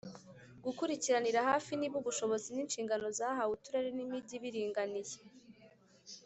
gukurikiranira hafi niba ubushobozi n'inshingano zahawe uturere n'imijyi biringaniye